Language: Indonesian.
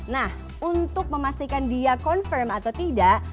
nah untuk memastikan dia confirm atau tidak